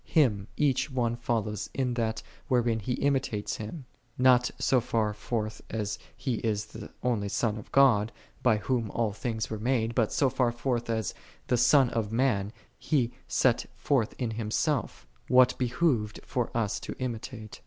Him each one follows in that, wherein he imitates Him: not so far forth as He is the only Son of God, by Whom all things were made; but so far forth as, the Son of Man, He set forth in Himself, what behoved for us to imitate.